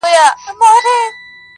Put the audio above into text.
هم تر نارنج هم تر انار ښکلی دی!!